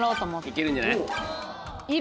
行けるんじゃない？